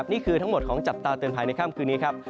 นี่คือทั้งหมดของจับตาเตือนภัยในค่ำคืนนี้ครับ